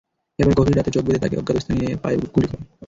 এরপর গভীর রাতে চোখ বেঁধে তাঁকে অজ্ঞাত স্থানে নিয়ে পায়ে গুলি করে।